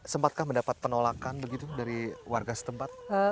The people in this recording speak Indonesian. sempatkah mendapat penolakan begitu dari warga setempat